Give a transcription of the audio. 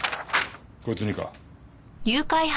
こいつにか？